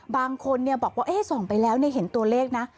บางคนบอกว่าส่องไปแล้วเห็นตัวเลขนะ